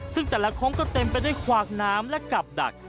ซึ่งแต่ละโค้งก็เต็มไปด้วยขวากน้ำและกลับดัก